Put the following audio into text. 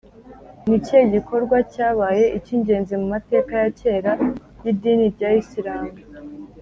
ni ikihe gikorwa cyabaye icy’ingenzi mu mateka ya kera y’idini rya isilamu?